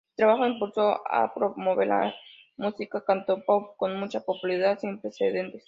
Su trabajo impulsó ha promover la música cantopop con mucha popularidad sin precedentes.